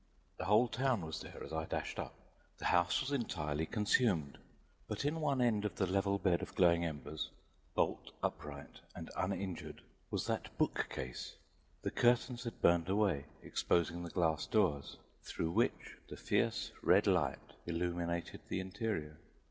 The whole town was there as I dashed up. The house was entirely consumed, but in one end of the level bed of glowing embers, bolt upright and uninjured, was that book case! The curtains had burned away, exposing the glass doors, through which the fierce, red light illuminated the interior.